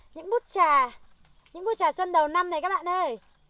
những bút chà những bút chà xuân đầu năm này các bạn ơi